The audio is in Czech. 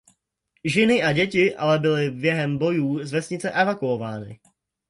Ženy a děti ale byly během bojů z vesnice evakuovány.